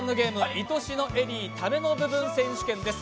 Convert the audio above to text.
「いとしのエリータメの部分選手権」です。